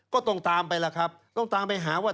ก็ต้องตามไปล่ะครับต้องตามไปหาว่า